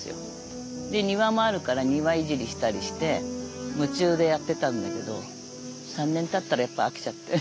で庭もあるから庭いじりしたりして夢中でやってたんだけど３年たったらやっぱ飽きちゃって。